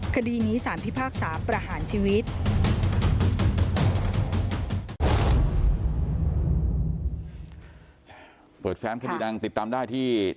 คดีนี้สารพิพากษาประหารชีวิต